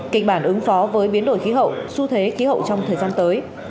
kinh bản ứng phó với biến đổi khí hậu su thế khí hậu trong thời gian tới